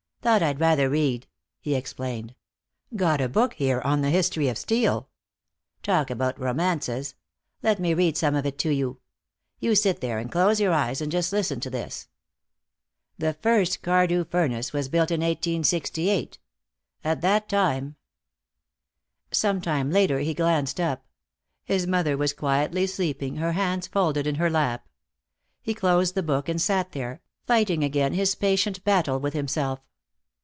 "Thought I'd rather read," he explained. "Got a book here on the history of steel. Talk about romances! Let me read some of it to you. You sit there and close your eyes and just listen to this: 'The first Cardew furnace was built in 1868. At that time '" Some time later he glanced up. His mother was quietly sleeping, her hands folded in her lap. He closed the book and sat there, fighting again his patient battle with himself.